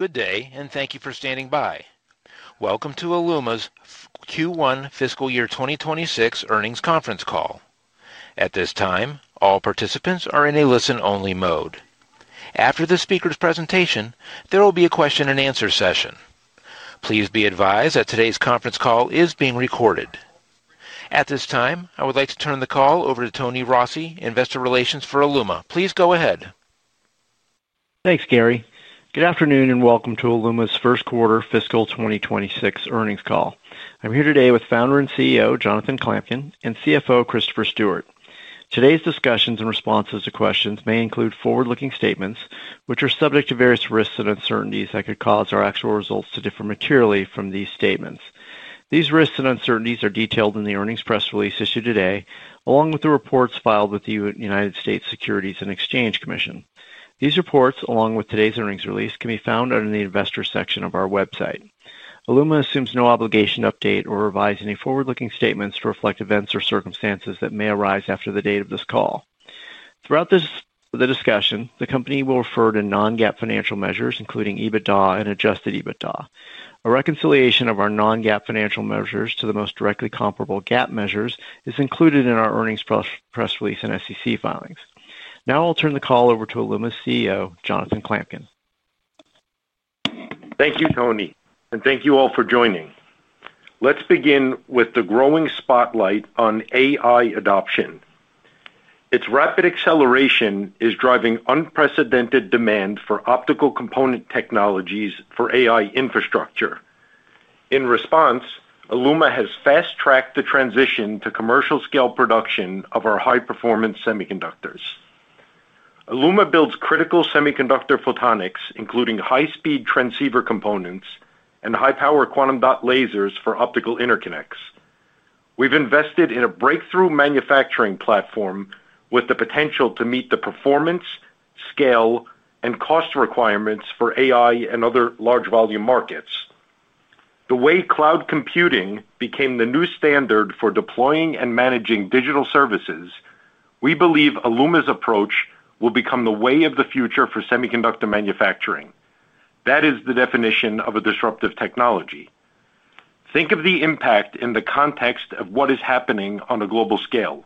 Good day, and thank you for standing by. Welcome to Aeluma's Q1 Fiscal Year 2026 Earnings Conference Call. At this time, all participants are in a listen-only mode. After the speaker's presentation, there will be a question-and-answer session. Please be advised that today's conference call is being recorded. At this time, I would like to turn the call over to Tony Rossi, Investor Relations for Aeluma. Please go ahead. Thanks, Gary. Good afternoon and Welcome to Aeluma's First Quarter Fiscal 2026 Earnings Call. I'm here today with founder and CEO Jonathan Klamkin and CFO Christopher Stewart. Today's discussions and responses to questions may include forward-looking statements, which are subject to various risks and uncertainties that could cause our actual results to differ materially from these statements. These risks and uncertainties are detailed in the earnings press release issued today, along with the reports filed with the U.S. Securities and Exchange Commission. These reports, along with today's earnings release, can be found under the investor section of our website. Aeluma assumes no obligation to update or revise any forward-looking statements to reflect events or circumstances that may arise after the date of this call. Throughout the discussion, the company will refer to non-GAAP financial measures, including EBITDA and adjusted EBITDA. A reconciliation of our non-GAAP financial measures to the most directly comparable GAAP measures is included in our earnings press release and SEC filings. Now I'll turn the call over to Aeluma's CEO, Jonathan Klamkin. Thank you, Tony, and thank you all for joining. Let's begin with the growing spotlight on AI adoption. Its rapid acceleration is driving unprecedented demand for optical component technologies for AI infrastructure. In response, Aeluma has fast-tracked the transition to commercial-scale production of our high-performance semiconductors. Aeluma builds critical semiconductor photonics, including high-speed transceiver components and high-power quantum dot lasers for optical interconnects. We've invested in a breakthrough manufacturing platform with the potential to meet the performance, scale, and cost requirements for AI and other large-volume markets. The way cloud computing became the new standard for deploying and managing digital services, we believe Aeluma's approach will become the way of the future for semiconductor manufacturing. That is the definition of a disruptive technology. Think of the impact in the context of what is happening on a global scale.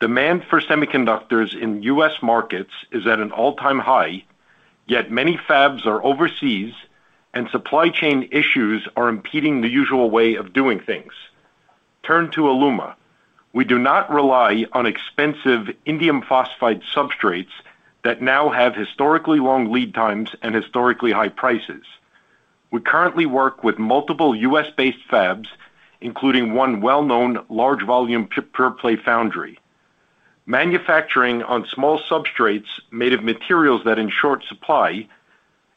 Demand for semiconductors in U.S. Markets is at an all-time high, yet many fabs are overseas and supply chain issues are impeding the usual way of doing things. Turn to Aeluma. We do not rely on expensive indium phosphide substrates that now have historically long lead times and historically high prices. We currently work with multiple U.S.-based fabs, including one well-known large-volume pure-play foundry. Manufacturing on small substrates made of materials that, in short supply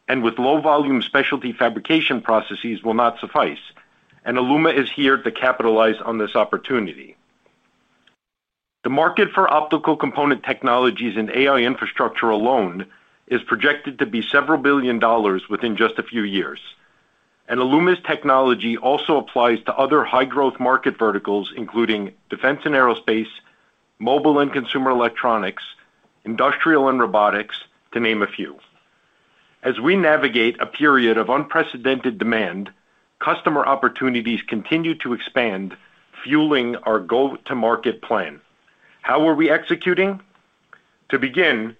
and with low-volume specialty fabrication processes, will not suffice, and Aeluma is here to capitalize on this opportunity. The market for optical component technologies and AI infrastructure alone is projected to be several billion dollars within just a few years. Aeluma's technology also applies to other high-growth market verticals, including defense and aerospace, mobile and consumer electronics, industrial and robotics, to name a few. As we navigate a period of unprecedented demand, customer opportunities continue to expand, fueling our go-to-market plan. How are we executing? To begin,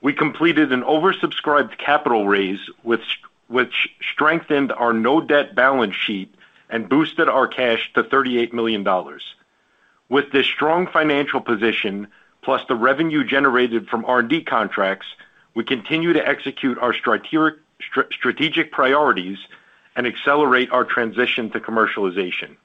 we completed an oversubscribed capital raise which strengthened our no-debt balance sheet and boosted our cash to $38 million. With this strong financial position, plus the revenue generated from R&D contracts, we continue to execute our strategic priorities and accelerate our transition to commercialization.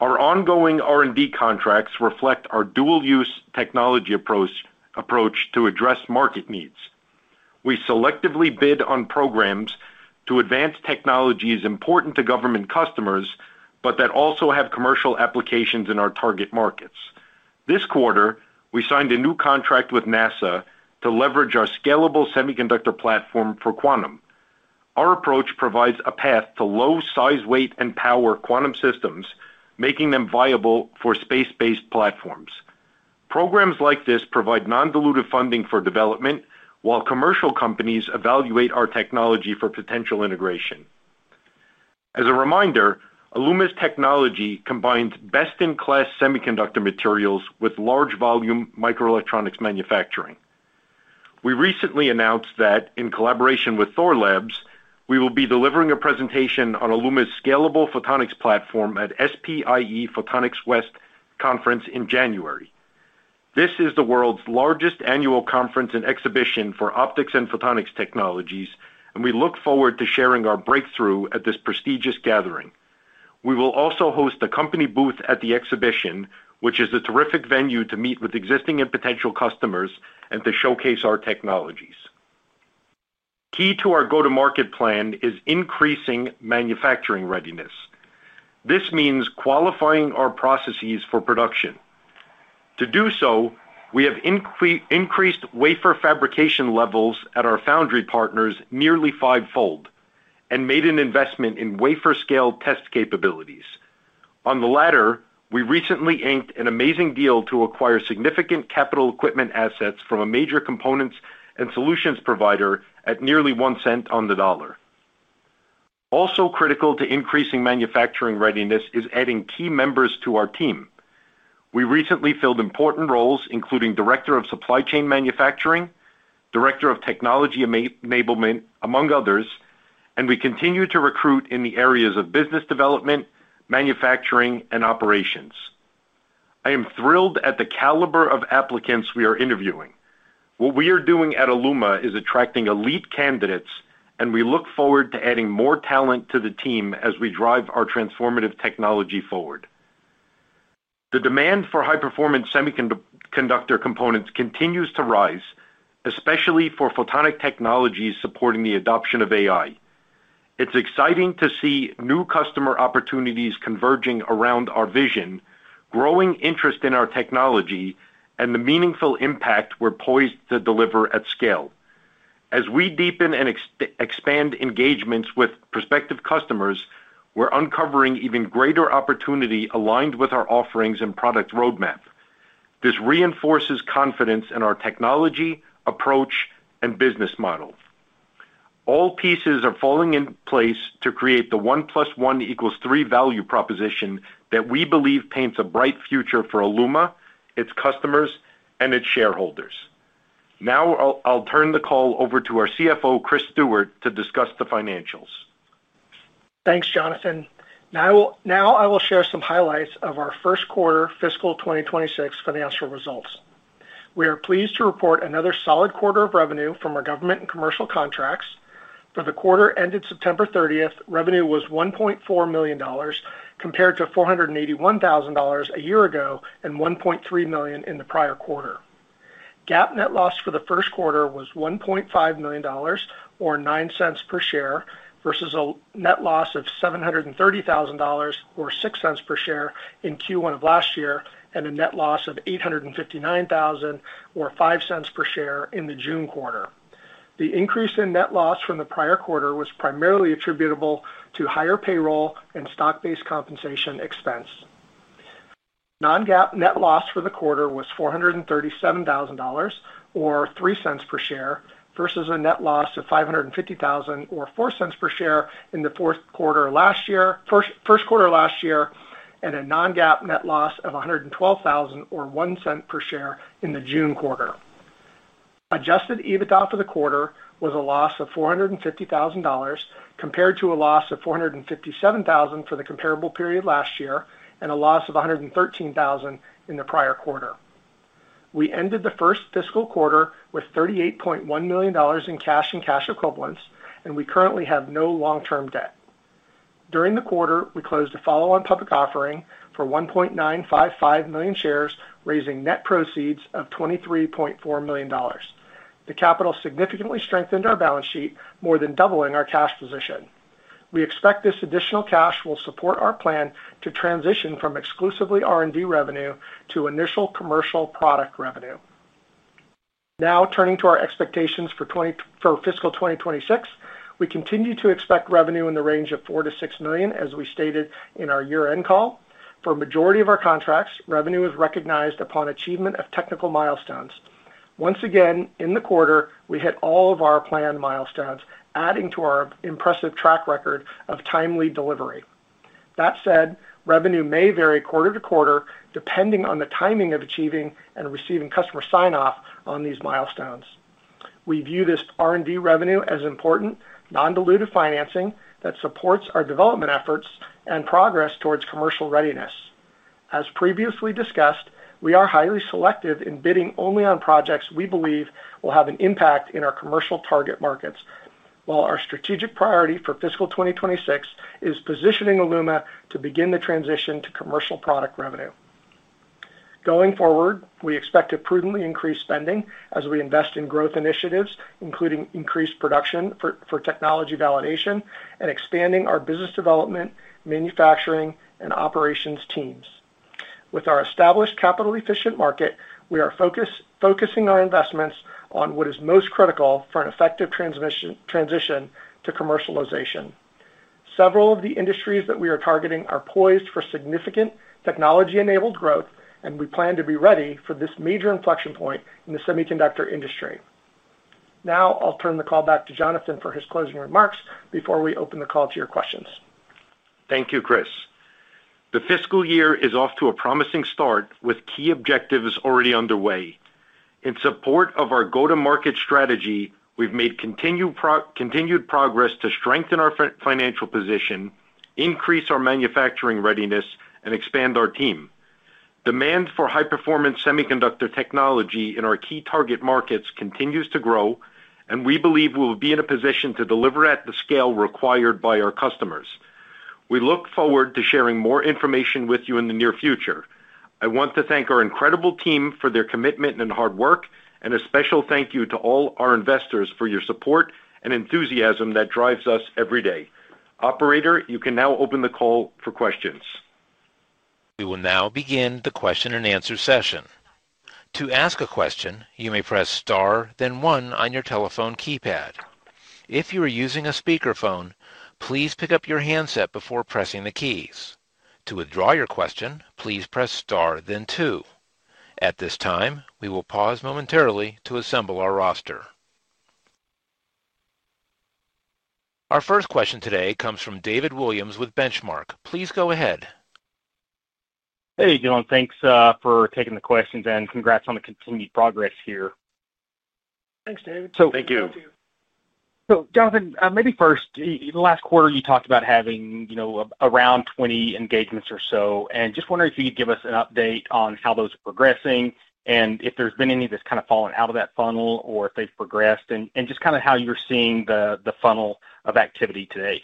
Our ongoing R&D contracts reflect our dual-use technology approach to address market needs. We selectively bid on programs to advance technologies important to government customers but that also have commercial applications in our target markets. This quarter, we signed a new contract with NASA to leverage our scalable semiconductor platform for quantum. Our approach provides a path to low size weight and power quantum systems, making them viable for space-based platforms. Programs like this provide non-dilutive funding for development while commercial companies evaluate our technology for potential integration. As a reminder, Aeluma's technology combines best-in-class semiconductor materials with large-volume microelectronics manufacturing. We recently announced that, in collaboration with Thorlabs, we will be delivering a presentation on Aeluma's scalable photonics platform at SPIE Photonics West Conference in January. This is the world's largest annual conference and exhibition for optics and photonics technologies, and we look forward to sharing our breakthrough at this prestigious gathering. We will also host a company booth at the exhibition, which is a terrific venue to meet with existing and potential customers and to showcase our technologies. Key to our go-to-market plan is increasing manufacturing readiness. This means qualifying our processes for production. To do so, we have increased wafer fabrication levels at our foundry partners nearly fivefold and made an investment in wafer-scale test capabilities. On the latter, we recently inked an amazing deal to acquire significant capital equipment assets from a major components and solutions provider at nearly one cent on the dollar. Also critical to increasing manufacturing readiness is adding key members to our team. We recently filled important roles, including Director of Supply Chain Manufacturing, Director of Technology Enablement, among others, and we continue to recruit in the areas of business development, manufacturing, and operations. I am thrilled at the caliber of applicants we are interviewing. What we are doing at Aeluma is attracting elite candidates, and we look forward to adding more talent to the team as we drive our transformative technology forward. The demand for high-performance semiconductor components continues to rise, especially for photonic technologies supporting the adoption of AI. It's exciting to see new customer opportunities converging around our vision, growing interest in our technology, and the meaningful impact we're poised to deliver at scale. As we deepen and expand engagements with prospective customers, we're uncovering even greater opportunity aligned with our offerings and product roadmap. This reinforces confidence in our technology, approach, and business model. All pieces are falling in place to create the one plus one equals three value proposition that we believe paints a bright future for Aeluma, its customers, and its shareholders. Now I'll turn the call over to our CFO, Christopher Stewart, to discuss the financials. Thanks, Jonathan. Now I will share some highlights of our first quarter fiscal 2026 financial results. We are pleased to report another solid quarter of revenue from our government and commercial contracts. For the quarter ended September 30, revenue was $1.4 million, compared to $481,000 a year ago and $1.3 million in the prior quarter. GAAP net loss for the first quarter was $1.5 million, or $0.09 per share, versus a net loss of $730,000, or $0.06 per share in Q1 of last year, and a net loss of $859,000, or $0.05 per share in the June quarter. The increase in net loss from the prior quarter was primarily attributable to higher payroll and stock-based compensation expense. Non-GAAP net loss for the quarter was $437,000, or $0.03 per share, versus a net loss of $550,000, or $0.04 per share in the first quarter last year, and a non-GAAP net loss of $112,000, or $0.01 per share in the June quarter. Adjusted EBITDA for the quarter was a loss of $450,000, compared to a loss of $457,000 for the comparable period last year, and a loss of $113,000 in the prior quarter. We ended the first fiscal quarter with $38.1 million in cash and cash equivalents, and we currently have no long-term debt. During the quarter, we closed a follow-on public offering for 1.955 million shares, raising net proceeds of $23.4 million. The capital significantly strengthened our balance sheet, more than doubling our cash position. We expect this additional cash will support our plan to transition from exclusively R&D revenue to initial commercial product revenue. Now turning to our expectations for fiscal 2026, we continue to expect revenue in the range of $4 million, as we stated in our year-end call. For a majority of our contracts, revenue is recognized upon achievement of technical milestones. Once again, in the quarter, we hit all of our planned milestones, adding to our impressive track record of timely delivery. That said, revenue may vary quarter to quarter depending on the timing of achieving and receiving customer sign-off on these milestones. We view this R&D revenue as important, non-dilutive financing that supports our development efforts and progress towards commercial readiness. As previously discussed, we are highly selective in bidding only on projects we believe will have an impact in our commercial target markets, while our strategic priority for fiscal 2026 is positioning Aeluma to begin the transition to commercial product revenue. Going forward, we expect to prudently increase spending as we invest in growth initiatives, including increased production for technology validation and expanding our business development, manufacturing, and operations teams. With our established capital-efficient market, we are focusing our investments on what is most critical for an effective transition to commercialization. Several of the industries that we are targeting are poised for significant technology-enabled growth, and we plan to be ready for this major inflection point in the semiconductor industry. Now I'll turn the call back to Jonathan for his closing remarks before we open the call to your questions. Thank you, Chris. The fiscal year is off to a promising start with key objectives already underway. In support of our go-to-market strategy, we've made continued progress to strengthen our financial position, increase our manufacturing readiness, and expand our team. Demand for high-performance semiconductor technology in our key target markets continues to grow, and we believe we will be in a position to deliver at the scale required by our customers. We look forward to sharing more information with you in the near future. I want to thank our incredible team for their commitment and hard work, and a special thank you to all our investors for your support and enthusiasm that drives us every day. Operator, you can now open the call for questions. We will now begin the question and answer session. To ask a question, you may press star, then one on your telephone keypad. If you are using a speakerphone, please pick up your handset before pressing the keys. To withdraw your question, please press star, then two. At this time, we will pause momentarily to assemble our roster. Our first question today comes from David Williams with Benchmark. Please go ahead. Hey, Jonathan. Thanks for taking the questions and congrats on the continued progress here. Thanks, David. Thank you. Jonathan, maybe first, in the last quarter, you talked about having around 20 engagements or so, and just wondering if you could give us an update on how those are progressing and if there's been any that's kind of fallen out of that funnel or if they've progressed and just kind of how you're seeing the funnel of activity today.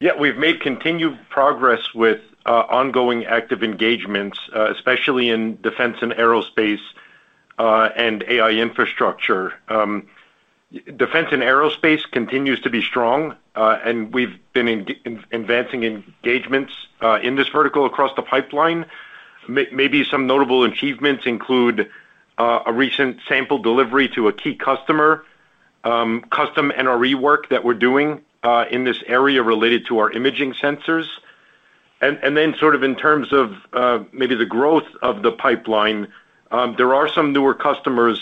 Yeah, we've made continued progress with ongoing active engagements, especially in defense and aerospace and AI infrastructure. Defense and aerospace continues to be strong, and we've been advancing engagements in this vertical across the pipeline. Maybe some notable achievements include a recent sample delivery to a key customer, custom NRE work that we're doing in this area related to our imaging sensors. And then sort of in terms of maybe the growth of the pipeline, there are some newer customers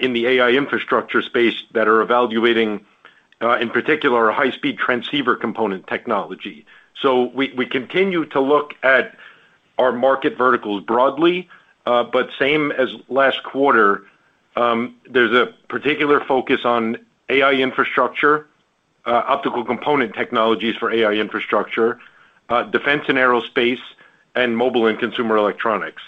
in the AI infrastructure space that are evaluating, in particular, a high-speed transceiver component technology. We continue to look at our market verticals broadly, but same as last quarter, there's a particular focus on AI infrastructure, optical component technologies for AI infrastructure, defense and aerospace, and mobile and consumer electronics.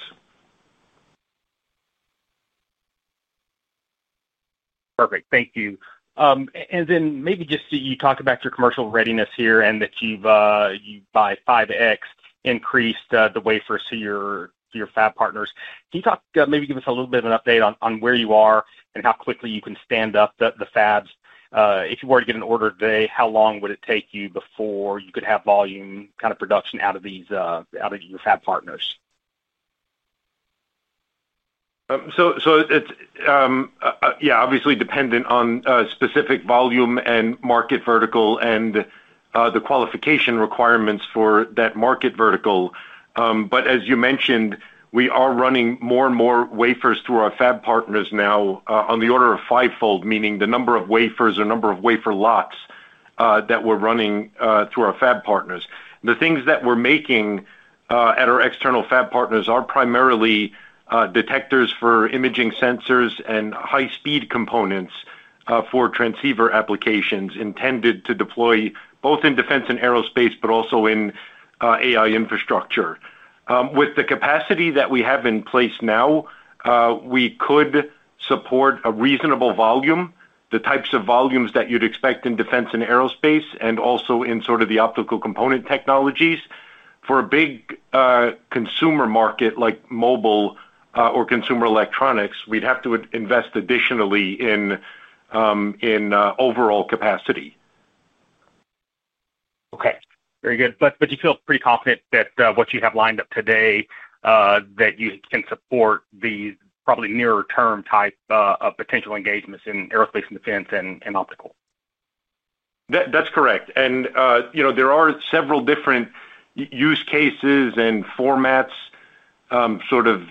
Perfect. Thank you. Maybe just you talked about your commercial readiness here and that you've by 5x increased the wafers to your fab partners. Can you maybe give us a little bit of an update on where you are and how quickly you can stand up the fabs? If you were to get an order today, how long would it take you before you could have volume kind of production out of your fab partners? Yeah, obviously dependent on specific volume and market vertical and the qualification requirements for that market vertical. As you mentioned, we are running more and more wafers through our fab partners now on the order of fivefold, meaning the number of wafers or number of wafer lots that we're running through our fab partners. The things that we're making at our external fab partners are primarily detectors for imaging sensors and high-speed components for transceiver applications intended to deploy both in defense and aerospace but also in AI infrastructure. With the capacity that we have in place now, we could support a reasonable volume, the types of volumes that you'd expect in defense and aerospace and also in sort of the optical component technologies. For a big consumer market like mobile or consumer electronics, we'd have to invest additionally in overall capacity. Okay. Very good. You feel pretty confident that what you have lined up today, that you can support the probably nearer-term type of potential engagements in aerospace and defense and optical? That's correct. There are several different use cases and formats, sort of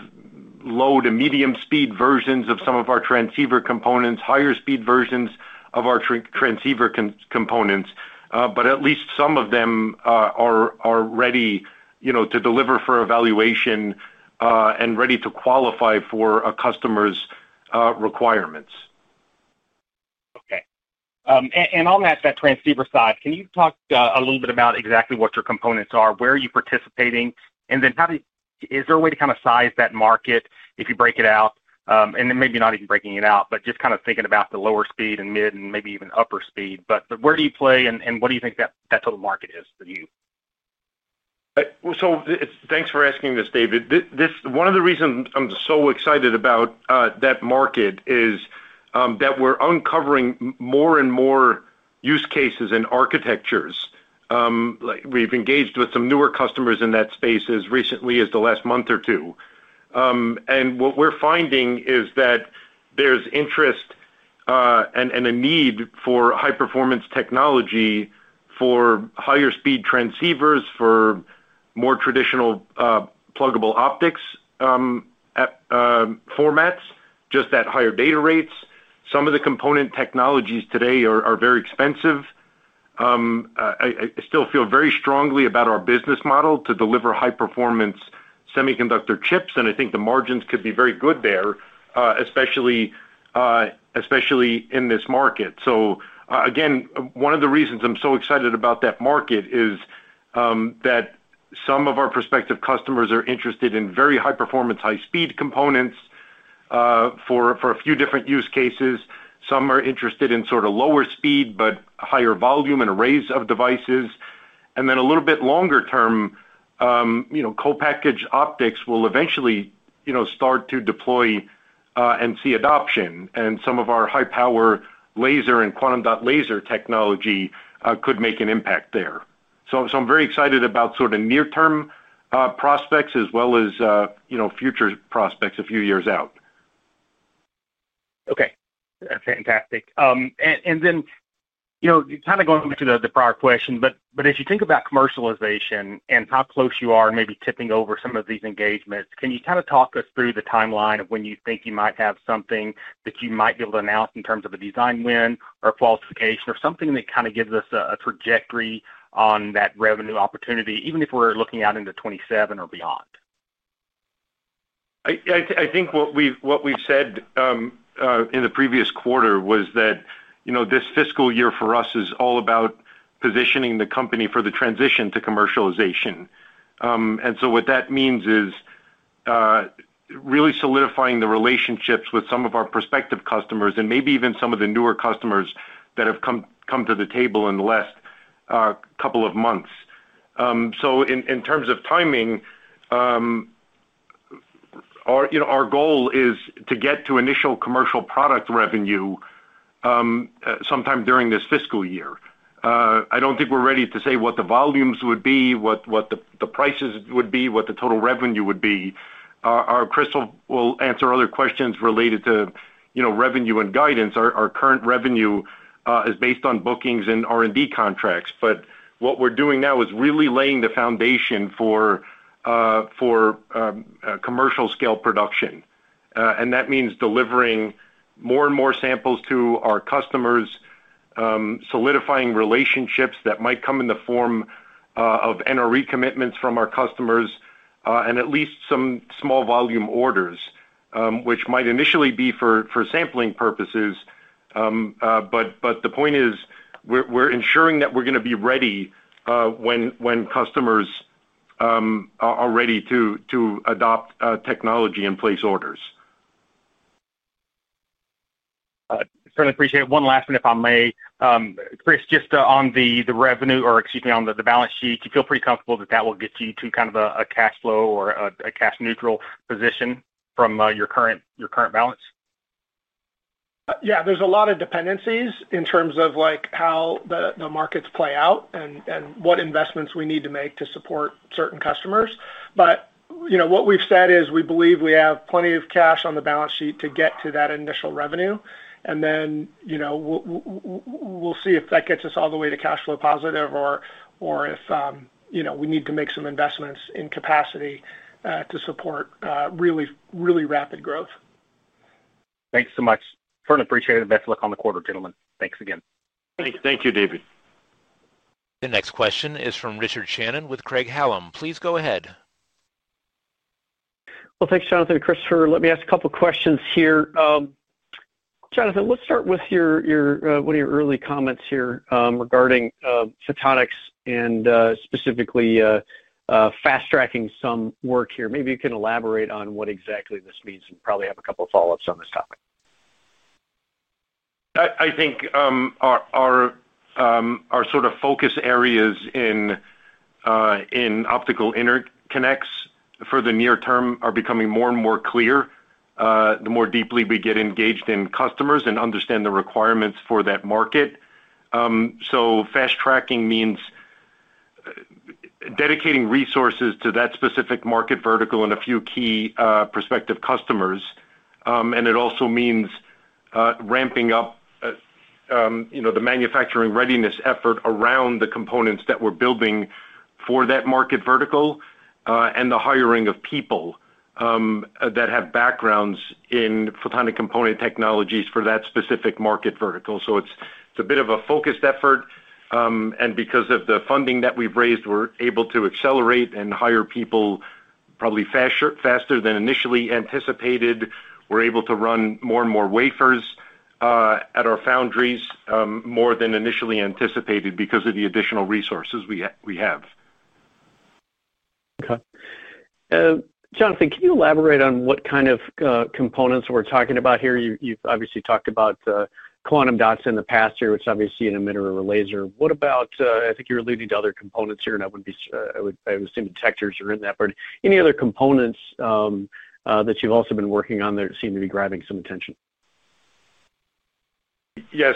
low to medium-speed versions of some of our transceiver components, higher-speed versions of our transceiver components, but at least some of them are ready to deliver for evaluation and ready to qualify for a customer's requirements. Okay. On that transceiver side, can you talk a little bit about exactly what your components are, where you're participating, and then is there a way to kind of size that market if you break it out? Maybe not even breaking it out, but just kind of thinking about the lower speed and mid and maybe even upper speed. Where do you play and what do you think that total market is for you? Thanks for asking this, David. One of the reasons I'm so excited about that market is that we're uncovering more and more use cases and architectures. We've engaged with some newer customers in that space as recently as the last month or two. What we're finding is that there's interest and a need for high-performance technology for higher-speed transceivers, for more traditional pluggable optics formats, just at higher data rates. Some of the component technologies today are very expensive. I still feel very strongly about our business model to deliver high-performance semiconductor chips, and I think the margins could be very good there, especially in this market. Again, one of the reasons I'm so excited about that market is that some of our prospective customers are interested in very high-performance, high-speed components for a few different use cases. Some are interested in sort of lower speed but higher volume and arrays of devices. A little bit longer-term, co-packaged optics will eventually start to deploy and see adoption, and some of our high-power laser and quantum dot laser technology could make an impact there. I am very excited about sort of near-term prospects as well as future prospects a few years out. Okay. Fantastic. Kind of going back to the prior question, but as you think about commercialization and how close you are maybe tipping over some of these engagements, can you kind of talk us through the timeline of when you think you might have something that you might be able to announce in terms of a design win or qualification or something that kind of gives us a trajectory on that revenue opportunity, even if we're looking out into 2027 or beyond? I think what we've said in the previous quarter was that this fiscal year for us is all about positioning the company for the transition to commercialization. What that means is really solidifying the relationships with some of our prospective customers and maybe even some of the newer customers that have come to the table in the last couple of months. In terms of timing, our goal is to get to initial commercial product revenue sometime during this fiscal year. I don't think we're ready to say what the volumes would be, what the prices would be, what the total revenue would be. Our crystal will answer other questions related to revenue and guidance. Our current revenue is based on bookings and R&D contracts, but what we're doing now is really laying the foundation for commercial-scale production. That means delivering more and more samples to our customers, solidifying relationships that might come in the form of NRE commitments from our customers, and at least some small volume orders, which might initially be for sampling purposes. The point is we're ensuring that we're going to be ready when customers are ready to adopt technology and place orders. Certainly appreciate it. One last one, if I may. Chris, just on the revenue or, excuse me, on the balance sheet, do you feel pretty comfortable that that will get you to kind of a cash flow or a cash-neutral position from your current balance? Yeah. There's a lot of dependencies in terms of how the markets play out and what investments we need to make to support certain customers. What we've said is we believe we have plenty of cash on the balance sheet to get to that initial revenue. We'll see if that gets us all the way to cash flow positive or if we need to make some investments in capacity to support really rapid growth. Thanks so much. Certainly appreciate it. Best of luck on the quarter, gentlemen. Thanks again. Thank you, David. The next question is from Richard Shannon with Craig-Hallum. Please go ahead. Thanks, Jonathan and Chris, for letting me ask a couple of questions here. Jonathan, let's start with one of your early comments here regarding photonics and specifically fast-tracking some work here. Maybe you can elaborate on what exactly this means and probably have a couple of follow-ups on this topic. I think our sort of focus areas in optical interconnects for the near term are becoming more and more clear the more deeply we get engaged in customers and understand the requirements for that market. Fast-tracking means dedicating resources to that specific market vertical and a few key prospective customers. It also means ramping up the manufacturing readiness effort around the components that we're building for that market vertical and the hiring of people that have backgrounds in photonic component technologies for that specific market vertical. It's a bit of a focused effort. Because of the funding that we've raised, we're able to accelerate and hire people probably faster than initially anticipated. We're able to run more and more wafers at our foundries more than initially anticipated because of the additional resources we have. Okay. Jonathan, can you elaborate on what kind of components we're talking about here? You've obviously talked about quantum dots in the past year, which obviously you didn't mean are a laser. What about, I think you were alluding to other components here, and I would assume detectors are in that, but any other components that you've also been working on that seem to be grabbing some attention? Yes.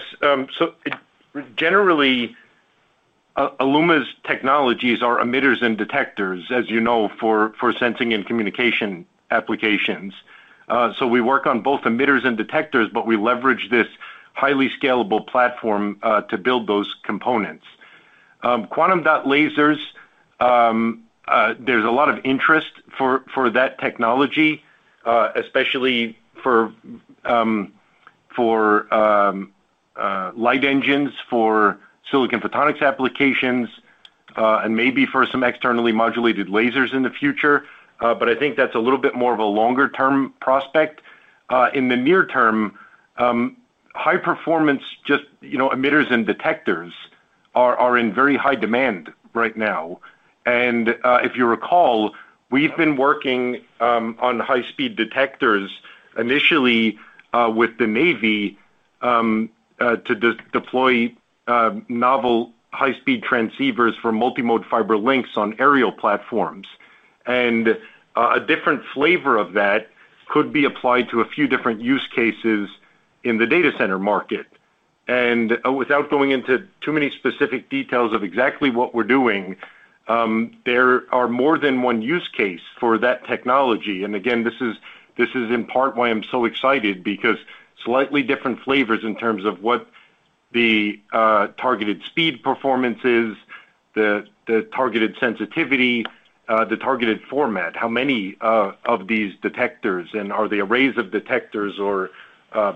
Generally, Aeluma's technologies are emitters and detectors, as you know, for sensing and communication applications. We work on both emitters and detectors, but we leverage this highly scalable platform to build those components. Quantum dot lasers, there's a lot of interest for that technology, especially for light engines for silicon photonics applications, and maybe for some externally modulated lasers in the future. I think that's a little bit more of a longer-term prospect. In the near term, high-performance emitters and detectors are in very high demand right now. If you recall, we've been working on high-speed detectors initially with the U.S. Navy to deploy novel high-speed transceivers for multimode fiber links on aerial platforms. A different flavor of that could be applied to a few different use cases in the data center market. Without going into too many specific details of exactly what we're doing, there are more than one use case for that technology. Again, this is in part why I'm so excited because slightly different flavors in terms of what the targeted speed performance is, the targeted sensitivity, the targeted format, how many of these detectors, and are they arrays of detectors or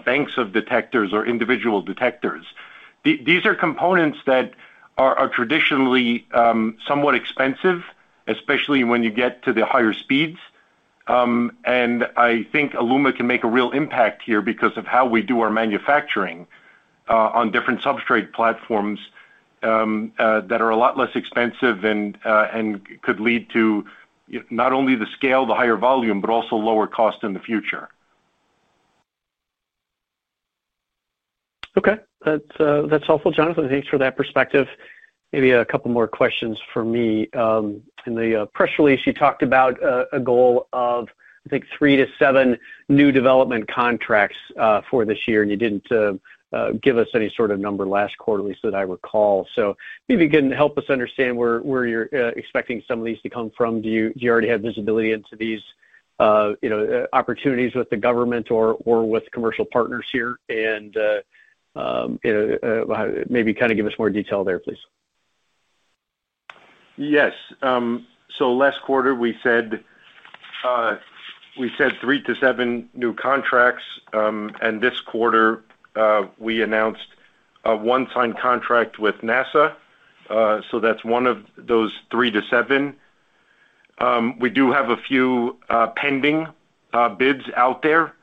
banks of detectors or individual detectors. These are components that are traditionally somewhat expensive, especially when you get to the higher speeds. I think Aeluma can make a real impact here because of how we do our manufacturing on different substrate platforms that are a lot less expensive and could lead to not only the scale, the higher volume, but also lower cost in the future. Okay. That's helpful, Jonathan. Thanks for that perspective. Maybe a couple more questions for me. In the press release, you talked about a goal of, I think, three to seven new development contracts for this year, and you did not give us any sort of number last quarter, at least that I recall. Maybe you can help us understand where you're expecting some of these to come from. Do you already have visibility into these opportunities with the government or with commercial partners here? Maybe kind of give us more detail there, please. Yes. Last quarter, we said three to seven new contracts. This quarter, we announced one signed contract with NASA. That is one of those three to seven. We do have a few pending bids out there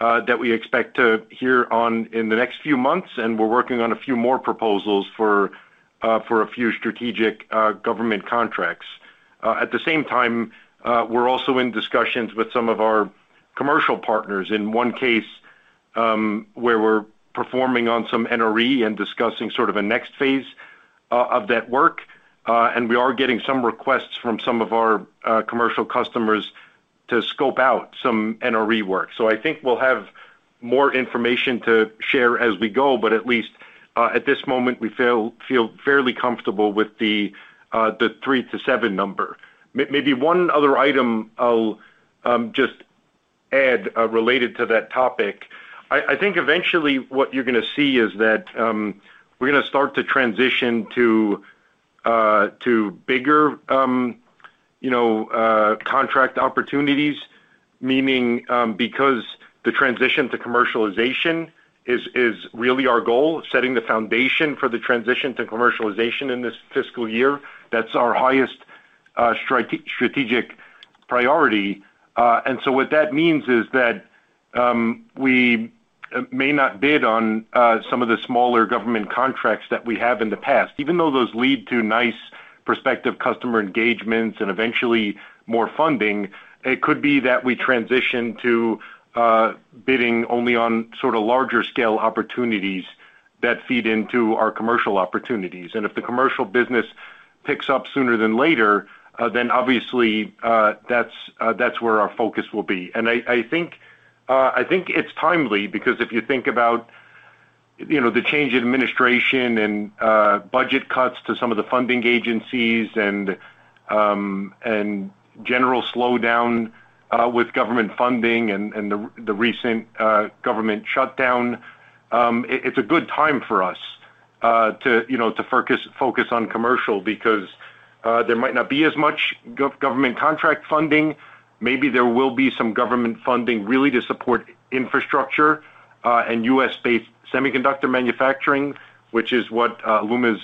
that we expect to hear on in the next few months, and we are working on a few more proposals for a few strategic government contracts. At the same time, we are also in discussions with some of our commercial partners in one case where we are performing on some NRE and discussing sort of a next phase of that work. We are getting some requests from some of our commercial customers to scope out some NRE work. I think we will have more information to share as we go, but at least at this moment, we feel fairly comfortable with the three to seven number. Maybe one other item I'll just add related to that topic. I think eventually what you're going to see is that we're going to start to transition to bigger contract opportunities, meaning because the transition to commercialization is really our goal, setting the foundation for the transition to commercialization in this fiscal year. That's our highest strategic priority. What that means is that we may not bid on some of the smaller government contracts that we have in the past. Even though those lead to nice prospective customer engagements and eventually more funding, it could be that we transition to bidding only on sort of larger-scale opportunities that feed into our commercial opportunities. If the commercial business picks up sooner than later, then obviously that's where our focus will be. I think it's timely because if you think about the change in administration and budget cuts to some of the funding agencies and general slowdown with government funding and the recent government shutdown, it's a good time for us to focus on commercial because there might not be as much government contract funding. Maybe there will be some government funding really to support infrastructure and U.S.-based semiconductor manufacturing, which is what Aeluma is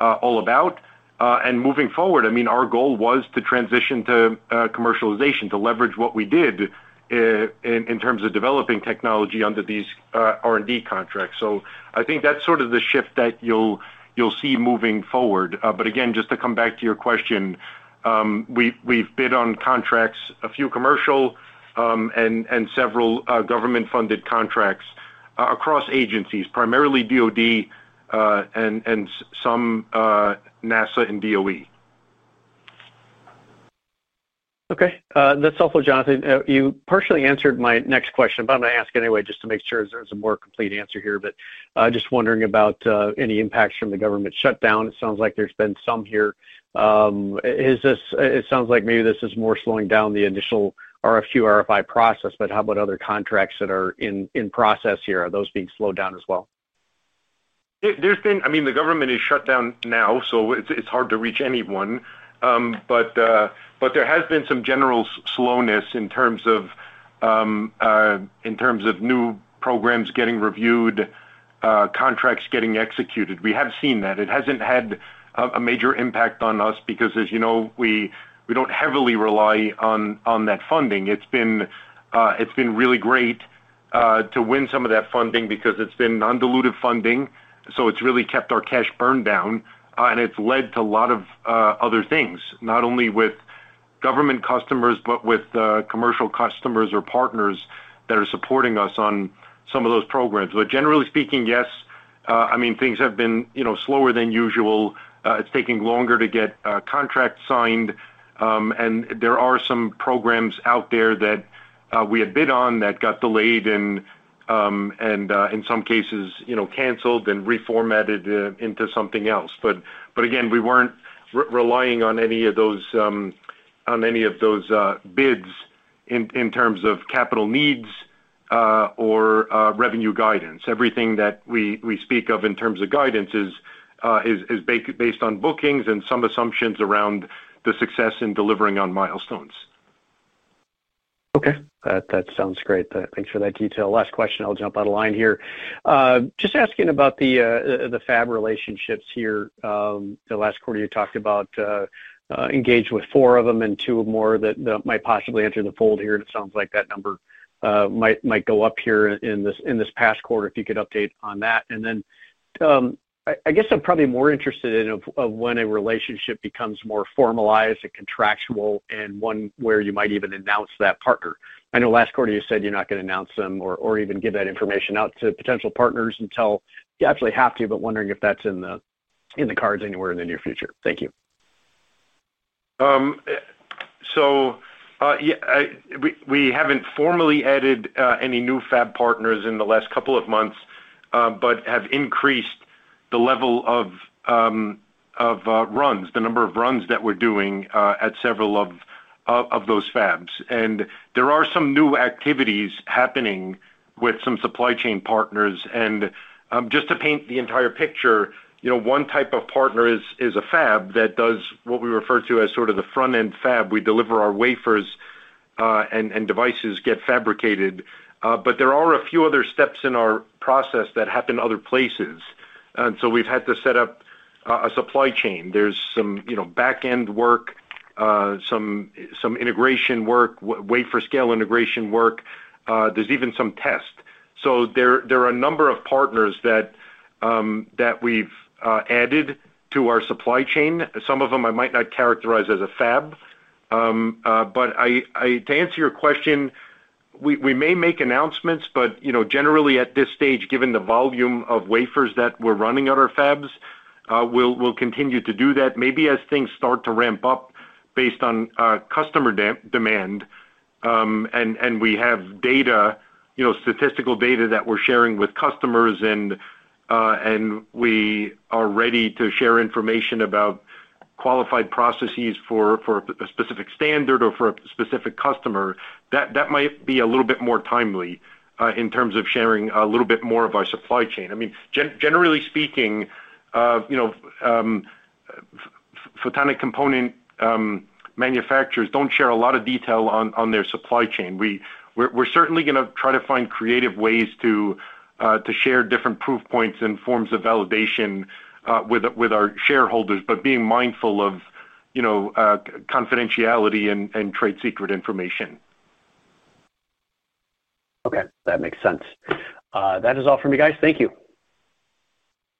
all about. Moving forward, I mean, our goal was to transition to commercialization to leverage what we did in terms of developing technology under these R&D contracts. I think that's sort of the shift that you'll see moving forward. Again, just to come back to your question, we've bid on contracts, a few commercial and several government-funded contracts across agencies, primarily DOD and some NASA and DOE. Okay. That's helpful, Jonathan. You partially answered my next question, but I'm going to ask anyway just to make sure there's a more complete answer here. Just wondering about any impacts from the government shutdown. It sounds like there's been some here. It sounds like maybe this is more slowing down the initial RFQ/RFI process, but how about other contracts that are in process here? Are those being slowed down as well? There's been, I mean, the government is shut down now, so it's hard to reach anyone. There has been some general slowness in terms of new programs getting reviewed, contracts getting executed. We have seen that. It hasn't had a major impact on us because, as you know, we don't heavily rely on that funding. It's been really great to win some of that funding because it's been non-dilutive funding. It's really kept our cash burn down, and it's led to a lot of other things, not only with government customers, but with commercial customers or partners that are supporting us on some of those programs. Generally speaking, yes, I mean, things have been slower than usual. It's taking longer to get contracts signed. There are some programs out there that we had bid on that got delayed and in some cases canceled and reformatted into something else. Again, we were not relying on any of those bids in terms of capital needs or revenue guidance. Everything that we speak of in terms of guidance is based on bookings and some assumptions around the success in delivering on milestones. Okay. That sounds great. Thanks for that detail. Last question. I'll jump out of line here. Just asking about the fab relationships here. The last quarter, you talked about engaging with four of them and two or more that might possibly enter the fold here. It sounds like that number might go up here in this past quarter if you could update on that. I guess I'm probably more interested in when a relationship becomes more formalized and contractual and one where you might even announce that partner. I know last quarter you said you're not going to announce them or even give that information out to potential partners until you actually have to, but wondering if that's in the cards anywhere in the near future. Thank you. We have not formally added any new fab partners in the last couple of months, but have increased the level of runs, the number of runs that we are doing at several of those fabs. There are some new activities happening with some supply chain partners. Just to paint the entire picture, one type of partner is a fab that does what we refer to as sort of the front-end fab. We deliver our wafers and devices get fabricated. There are a few other steps in our process that happen other places. We have had to set up a supply chain. There is some back-end work, some integration work, wafer scale integration work. There is even some test. There are a number of partners that we have added to our supply chain. Some of them I might not characterize as a fab. To answer your question, we may make announcements, but generally at this stage, given the volume of wafers that we're running on our fabs, we'll continue to do that. Maybe as things start to ramp up based on customer demand and we have statistical data that we're sharing with customers and we are ready to share information about qualified processes for a specific standard or for a specific customer, that might be a little bit more timely in terms of sharing a little bit more of our supply chain. I mean, generally speaking, photonic component manufacturers do not share a lot of detail on their supply chain. We're certainly going to try to find creative ways to share different proof points and forms of validation with our shareholders, but being mindful of confidentiality and trade secret information. Okay. That makes sense. That is all from me, guys. Thank you.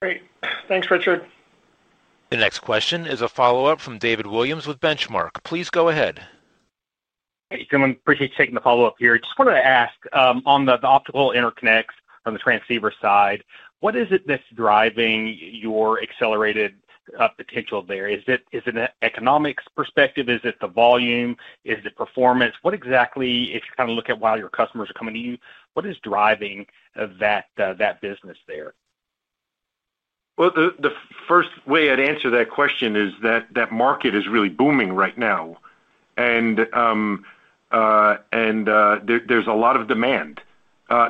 Great. Thanks, Richard. The next question is a follow-up from David Williams with Benchmark. Please go ahead. Hey, gentlemen. Appreciate you taking the follow-up here. Just wanted to ask on the optical interconnects on the transceiver side, what is it that's driving your accelerated potential there? Is it an economics perspective? Is it the volume? Is it performance? What exactly, if you kind of look at while your customers are coming to you, what is driving that business there? The first way I'd answer that question is that that market is really booming right now. There's a lot of demand,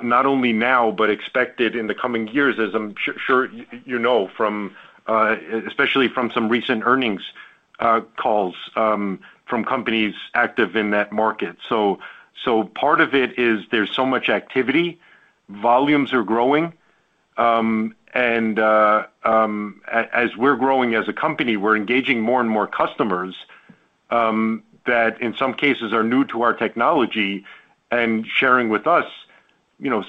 not only now, but expected in the coming years, as I'm sure you know, especially from some recent earnings calls from companies active in that market. Part of it is there's so much activity. Volumes are growing. As we're growing as a company, we're engaging more and more customers that in some cases are new to our technology and sharing with us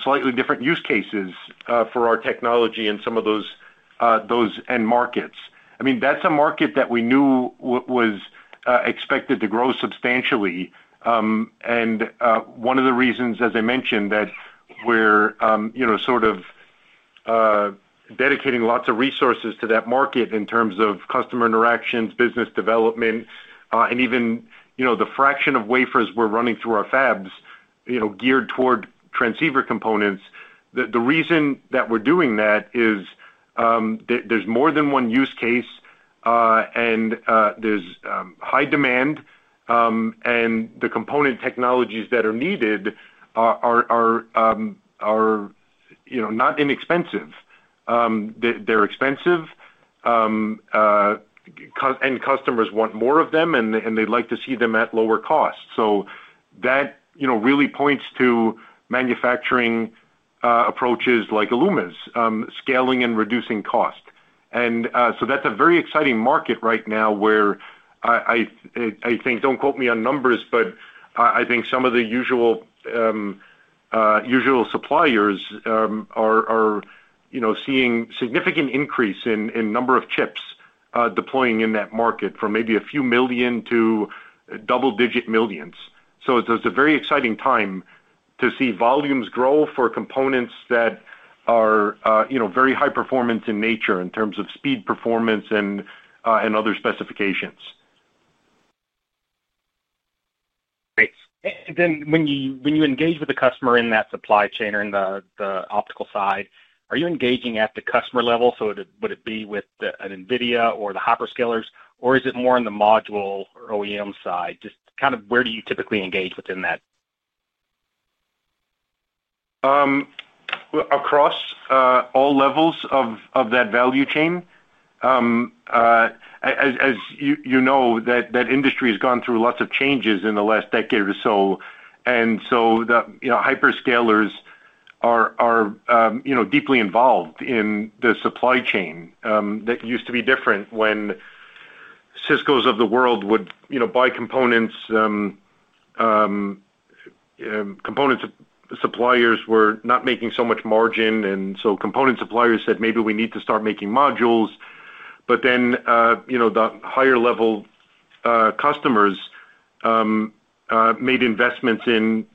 slightly different use cases for our technology in some of those end markets. I mean, that's a market that we knew was expected to grow substantially. One of the reasons, as I mentioned, that we're sort of dedicating lots of resources to that market in terms of customer interactions, business development, and even the fraction of wafers we're running through our fabs geared toward transceiver components. The reason that we're doing that is there's more than one use case, and there's high demand, and the component technologies that are needed are not inexpensive. They're expensive, and customers want more of them, and they'd like to see them at lower cost. That really points to manufacturing approaches like Aeluma's scaling and reducing cost. That is a very exciting market right now where I think, don't quote me on numbers, but I think some of the usual suppliers are seeing a significant increase in the number of chips deploying in that market from maybe a few million to double-digit millions. It's a very exciting time to see volumes grow for components that are very high-performance in nature in terms of speed, performance, and other specifications. Great. When you engage with the customer in that supply chain or in the optical side, are you engaging at the customer level? Would it be with NVIDIA or the hyperscalers, or is it more on the module or OEM side? Just kind of where do you typically engage within that? Across all levels of that value chain. As you know, that industry has gone through lots of changes in the last decade or so. The hyperscalers are deeply involved in the supply chain that used to be different when Cisco's of the world would buy components. Component suppliers were not making so much margin. Component suppliers said, "Maybe we need to start making modules." The higher-level customers made investments in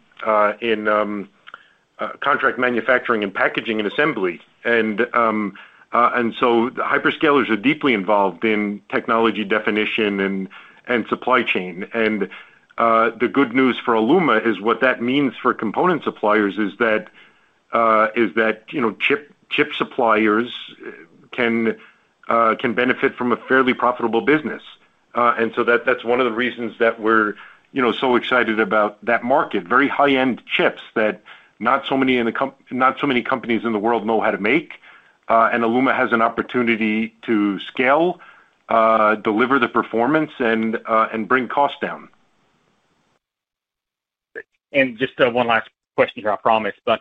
contract manufacturing and packaging and assembly. The hyperscalers are deeply involved in technology definition and supply chain. The good news for Aeluma is what that means for component suppliers is that chip suppliers can benefit from a fairly profitable business. That is one of the reasons that we're so excited about that market, very high-end chips that not so many companies in the world know how to make. Aeluma has an opportunity to scale, deliver the performance, and bring costs down. Just one last question here, I promise. I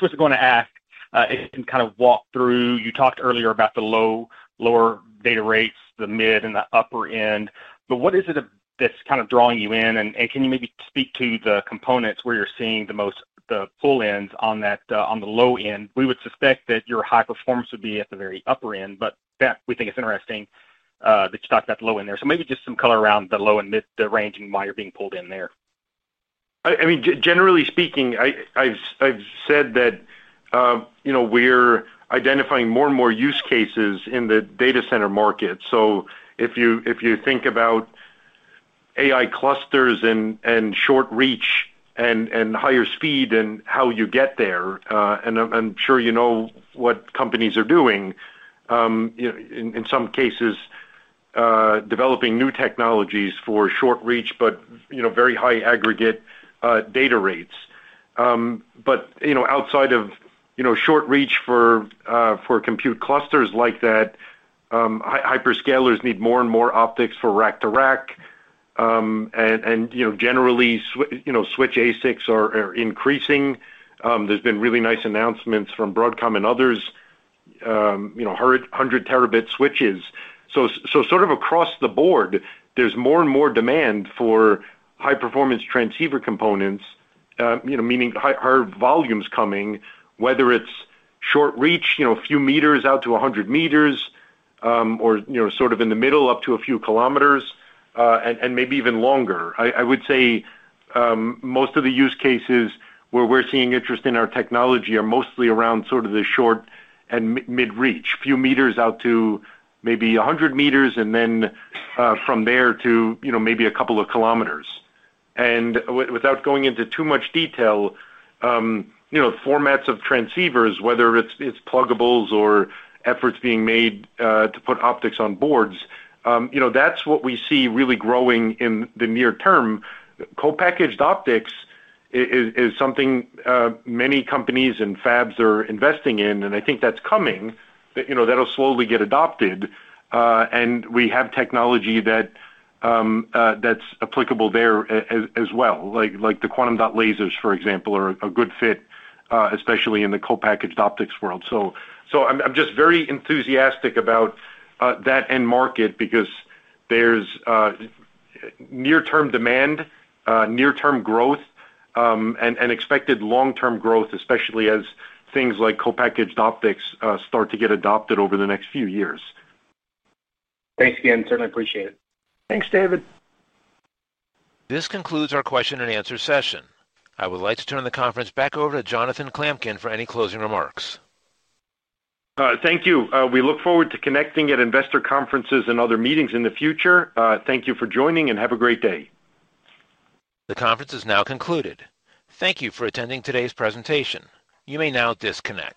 was going to ask and kind of walk through. You talked earlier about the lower data rates, the mid, and the upper end. What is it that's kind of drawing you in? Can you maybe speak to the components where you're seeing the most pull-ins on the low end? We would suspect that your high performance would be at the very upper end, but we think it's interesting that you talked about the low end there. Maybe just some color around the low and mid, the range and why you're being pulled in there. I mean, generally speaking, I've said that we're identifying more and more use cases in the data center market. If you think about AI clusters and short-reach and higher speed and how you get there, and I'm sure you know what companies are doing in some cases, developing new technologies for short-reach, but very high aggregate data rates. Outside of short-reach for compute clusters like that, hyperscalers need more and more optics for rack-to-rack. Generally, switch ASICs are increasing. There's been really nice announcements from Broadcom and others, 100 terabit switches. Sort of across the board, there's more and more demand for high-performance transceiver components, meaning higher volumes coming, whether it's short-reach, a few meters out to 100 meters, or sort of in the middle up to a few kilometers, and maybe even longer. I would say most of the use cases where we're seeing interest in our technology are mostly around sort of the short and mid-reach, a few meters out to maybe 100 meters, and from there to maybe a couple of kilometers. Without going into too much detail, formats of transceivers, whether it's pluggables or efforts being made to put optics on boards, that's what we see really growing in the near term. Co-packaged optics is something many companies and fabs are investing in, and I think that's coming. That'll slowly get adopted. We have technology that's applicable there as well. Like the quantum dot lasers, for example, are a good fit, especially in the co-packaged optics world. I'm just very enthusiastic about that end market because there's near-term demand, near-term growth, and expected long-term growth, especially as things like co-packaged optics start to get adopted over the next few years. Thanks again. Certainly appreciate it. Thanks, David. This concludes our question and answer session. I would like to turn the conference back over to Jonathan Klamkin for any closing remarks. Thank you. We look forward to connecting at investor conferences and other meetings in the future. Thank you for joining, and have a great day. The conference is now concluded. Thank you for attending today's presentation. You may now disconnect.